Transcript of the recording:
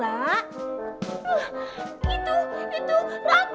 rangga bu rangga